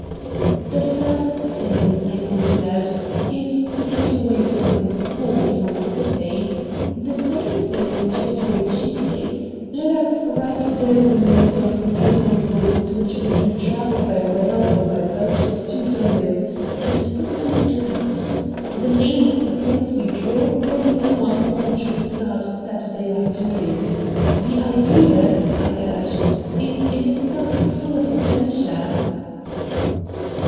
"The first thing," I pointed out, "is to get away from this awful city. The second thing is to get away cheaply. Let us write down the names of the summer resorts to which we can travel by rail or by boat for two dollars and put them in a hat. The name of the place we draw will be the one for which we start Saturday afternoon. The idea," I urged, "is in itself full of adventure."